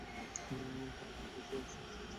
তার উপরের স্তরে রয়েছে স্পর্শ ও আস্বাদন-ইন্দ্রিয়।